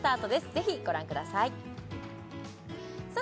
ぜひご覧くださいさあ